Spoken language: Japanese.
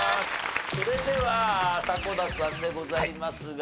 それでは迫田さんでございますが。